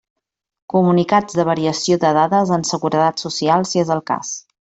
Comunicats de variació de dades en Seguretat Social, si és el cas.